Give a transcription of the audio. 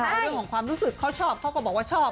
เรื่องของความรู้สึกเขาชอบเขาก็บอกว่าชอบ